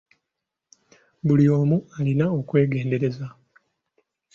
Buli omu alina okwegendereza.